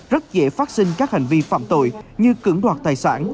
rất dễ phát sinh các hành vi phạm tội như cưỡng đoạt tài sản